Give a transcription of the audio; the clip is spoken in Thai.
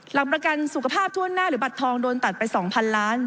หลักประกันสุขภาพทั่วหน้าหรือบัตรทองโดนตัดไป๒๐๐๐ล้าน